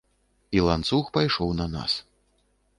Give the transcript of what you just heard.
І ланцуг пайшоў на нас.